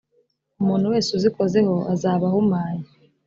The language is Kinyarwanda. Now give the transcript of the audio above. umuntu wese uzikozeho azaba ahumanye